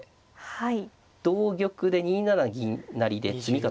はい。